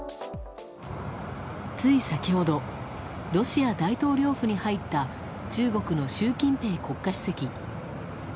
つい先ほどロシア大統領府に入った中国の習近平国家主席。